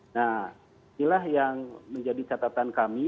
nah inilah yang menjadi catatan kami